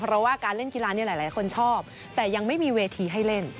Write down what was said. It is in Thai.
เพราะว่าการเล่นกีฬาเนี่ยหลายคนชอบแต่ยังไม่มีเวทีให้เล่น